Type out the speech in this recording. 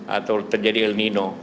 atau terjadi el nino